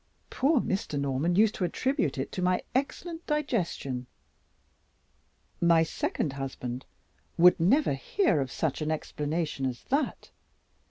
Poor Mr. Norman used to attribute it to my excellent digestion. My second husband would never hear of such an explanation as that.